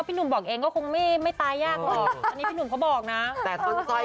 เสียงแบบหูเสียงอย่างนั้นเลย